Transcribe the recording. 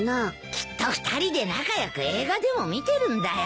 きっと２人で仲良く映画でも見てるんだよ。